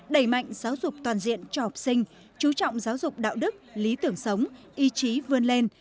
đẩy mạnh giáo dục toàn diện cho học sinh chú trọng giáo dục đạo đức lý tưởng sống ý chí vươn lên